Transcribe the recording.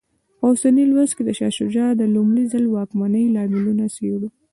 په اوسني لوست کې د شاه شجاع د لومړي ځل واکمنۍ لاملونه څېړو.